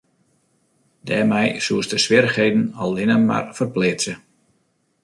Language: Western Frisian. Dêrmei soest de swierrichheden allinne mar ferpleatse.